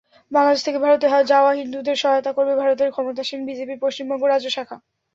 বাংলাদেশ থেকে ভারতে যাওয়া হিন্দুদের সহায়তা করবে ভারতের ক্ষমতাসীন বিজেপির পশ্চিমবঙ্গ রাজ্য শাখা।